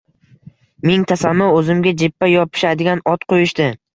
Ming tasanno! O‘zimga jippa yopishadigan ot qo‘yishdi